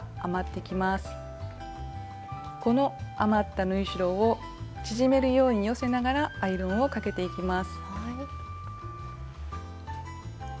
この余った縫い代を縮めるように寄せながらアイロンをかけていきます。